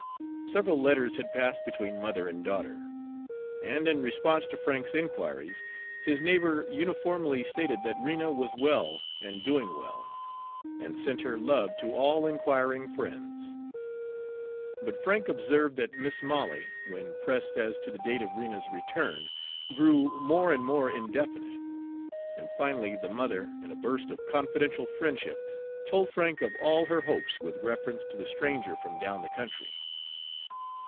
Several letters had passed between mother and daughter, and in response to Frank's inquiries his neighbor uniformly stated that Rena was well and doing well, and sent her love to all inquiring friends. But Frank observed that Mis' Molly, when pressed as to the date of Rena's return, grew more and more indefinite; and finally the mother, in a burst of confidential friendship, told Frank of all her hopes with reference to the stranger from down the country.